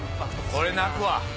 これ泣くわ。